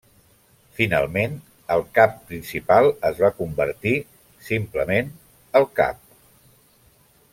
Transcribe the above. Finalment, el cap principal es va convertir, simplement, el cap.